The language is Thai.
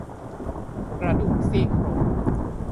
กระดูกซี่โครง